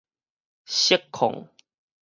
錫礦